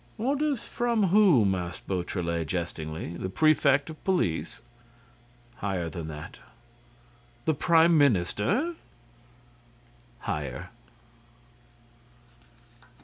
"Orders from whom?" asked Beautrelet, jestingly. "The prefect of police?" "Higher than that." "The prime minister?" "Higher."